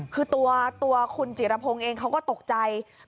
คือตัวคุณจิรพงศ์เองเขาก็ตกใจ